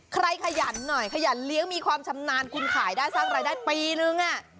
ขยันหน่อยขยันเลี้ยงมีความชำนาญคุณขายได้สร้างรายได้ปีนึง